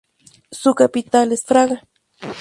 Su capital es Fraga.